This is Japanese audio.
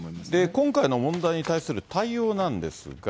今回の問題に対する対応なんですが。